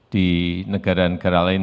di negara negara lain